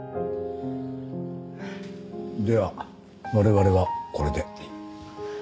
では我々はこれで。